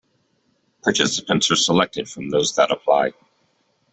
Participants are selected from those that apply.